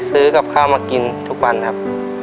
ซื้อกับข้าวมากินทุกวันครับ